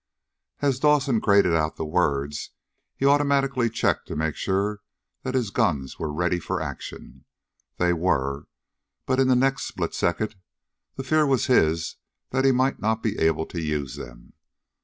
_ As Dawson grated out the words he automatically checked to make sure that his guns were ready for action. They were, but in the next split second the fear was his that he might not be able to use them.